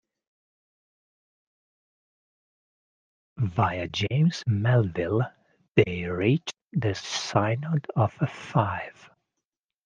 Via James Melville they reached the synod of Fife.